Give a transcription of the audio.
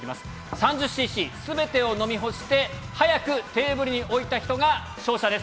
３０すべてを飲み干して、早くテーブルに置いた人が勝者です。